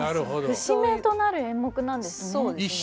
節目となる演目なんですね。